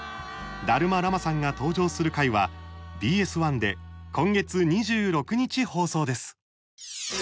ダルマ・ラマさんが登場する回はＢＳ１で今月２６日放送です。